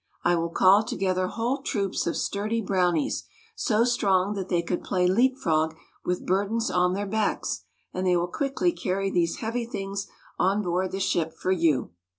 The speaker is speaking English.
I will call together whole troops of sturdy brownies, so strong that they could play leap frog with burdens on their backs ; and they will quickly carry these heavy things on board the ship for you.